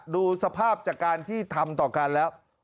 ดูสภาพจากการที่ทำต่อกันแล้ว